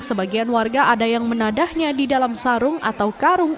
sebagian warga ada yang menadahnya di dalam sarung atau karung